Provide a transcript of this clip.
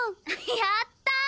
やったー！